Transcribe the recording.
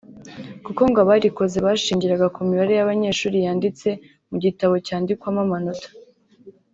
kuko ngo abarikoze bashingiraga ku mibare y’abanyeshuri yanditse mu gitabo cyandikwamo amanota